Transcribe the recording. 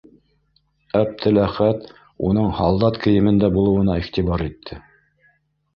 Әптеләхәт уның һалдат кейемендә булыуына иғтибар итте.